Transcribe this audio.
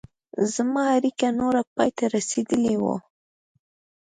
زما اړیکه نوره پای ته رسېدلې وه.